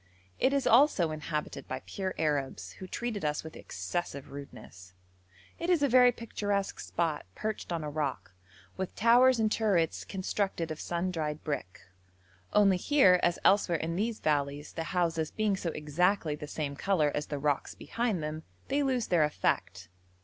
It is also inhabited by pure Arabs, who treated us with excessive rudeness. It is a very picturesque spot, perched on a rock, with towers and turrets constructed of sun dried brick; only here, as elsewhere in these valleys, the houses being so exactly the same colour as the rocks behind them, they lose their effect.